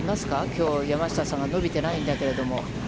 きょう山下さんが伸びてないんだけれども。